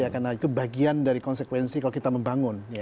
karena itu bagian dari konsekuensi kalau kita membangun